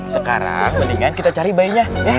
sekarang mendingan kita cari bayinya deh